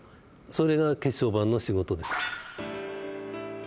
それが血小板の仕事です。